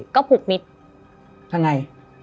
ก็ผูกมิดยังไง